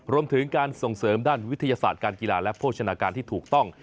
รวมถึงการส่งเสริมด้านวิทยาศาสตร์การกีฬาและโภชนาการที่ถูกต้อง